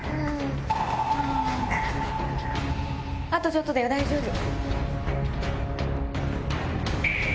あとちょっとだよ大丈夫。